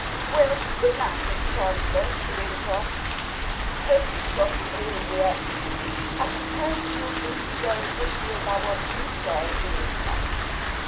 "Well, good night, Miss Chancellor," she went on; "I hope you've got a warm wrap. I suppose you'll think we go a good deal by what you say in this house.